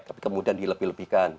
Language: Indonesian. tapi kemudian dilepih lepihkan